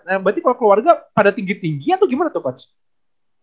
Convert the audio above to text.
berarti kalau keluarga ada tinggi tingginya tuh gimana tuh coach